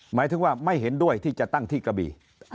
หมายถึงว่าไม่เห็นด้วยที่จะตั้งที่กระบี่